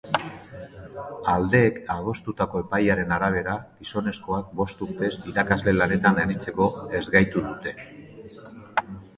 Aldeek adostutako epaiaren arabera, gizonezkoak bost urtez irakasle lanetan aritzeko ezgaitu dute.